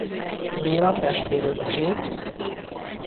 Béla testvéröccsét.